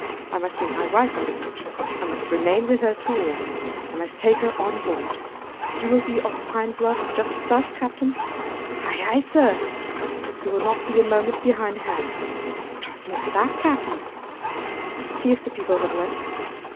I must meet my wife on the beach. I must remain with her through all. I must take her on board. You will be off Pine Bluff just at dusk, captain?" "Ay, ay, sir." "You will not be a moment behind hand?" "Trust me for that, Cap'n." "See if the people have left."